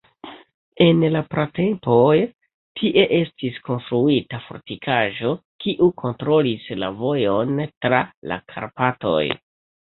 En la pratempoj tie estis konstruita fortikaĵo, kiu kontrolis la vojon tra la Karpatoj.